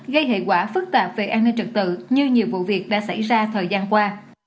gây hệ quả phức tạp về an ninh trật tự như nhiều vụ việc đã xảy ra thời gian qua